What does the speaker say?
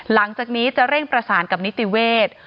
หลังจากนี้จะเร่งประสานกับนิติเวทย์